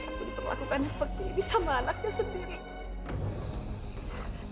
aku diperlakukan seperti ini sama anaknya sendiri